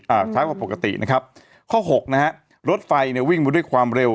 ช้ากว่าปกตินะครับข้อหกนะฮะรถไฟเนี่ยวิ่งมาด้วยความเร็ว